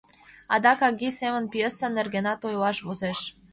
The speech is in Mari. Адак Аги семын пьеса нергенат ойлаш возеш.